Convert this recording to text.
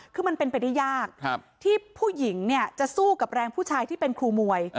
คือมันเป็นไปได้ยากที่ผู้หญิงเนี่ยจะสู้กับแรงผู้ชายที่เป็นครูมวย